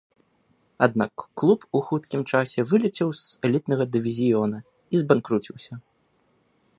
Аднак клуб у хуткім часе вылецеў з элітнага дывізіёна і збанкруціўся.